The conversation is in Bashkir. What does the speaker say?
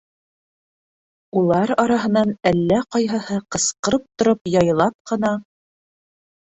Улар араһынан әллә ҡайһыһы, ҡысҡырып тороп, яйлап ҡына: